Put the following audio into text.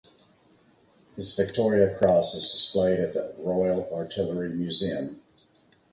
His Victoria Cross is displayed at the Royal Artillery Museum.